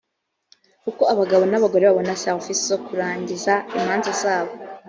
uko abagabo n’abagore babona serivisi zo kurangiza imanza zabo